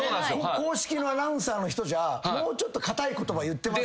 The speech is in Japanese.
公式のアナウンサーの人じゃもうちょっとかたい言葉言ってます。